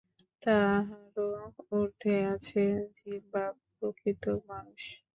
তাহারও ঊর্ধ্বে আছে জীব বা প্রকৃত মানুষ।